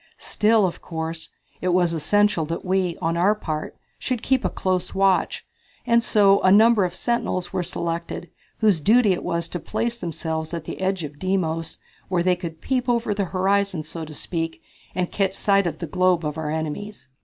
Still, of course, it was essential that we, on our part, should keep a close watch, and so a number of sentinels were selected, whose duty it was to place themselves at the edge of Deimos, where they could peep over the horizon, so to speak, and catch sight of the globe of our enemies.